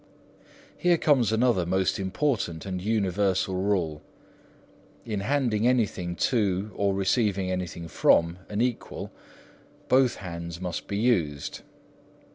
Here comes another most important and universal rule: in handing anything to, or receiving anything from, an equal both hands must be used.